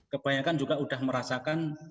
mereka juga sudah merasakan